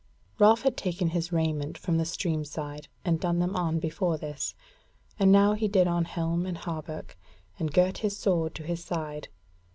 Ralph had taken his raiment from the stream side and done them on before this, and now he did on helm and hauberk, and girt his sword to his side.